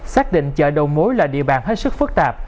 xác định chợ đầu mối là địa bàn hết sức phức tạp